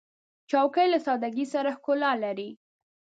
چوکۍ له سادګۍ سره ښکلا لري.